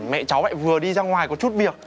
mẹ cháu lại vừa đi ra ngoài có chút việc